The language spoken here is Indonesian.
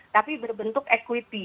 tapi berbentuk equity